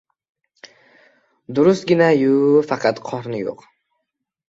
Durustgina-yu, faqat qorni yo‘q.